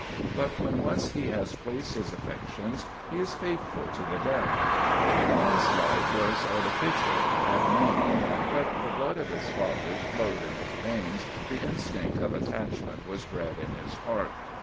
But when once he has placed his affections, he is faith ful to the death. Don's life was artificial, abnormal, but the blood of his fathers flowed in his veins, the instinct of at tachment was bred in his heart.